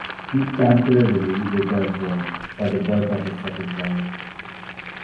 He temporarily returned home for the birth of his second child.